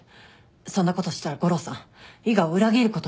そんなことしたら悟郎さん伊賀を裏切ることになる。